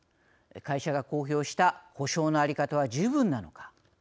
会社が公表した補償の在り方は十分なのか。